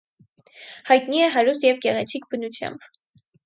Հայտնի է հարուստ և գեղեցիկ բնությամբ։